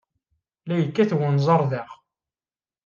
La yekkat wenẓar daɣ!